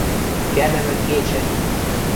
Кӓнӹмӹ кечӹ!